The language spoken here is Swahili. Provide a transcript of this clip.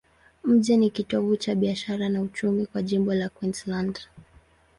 Mji ni kitovu cha biashara na uchumi kwa jimbo la Queensland.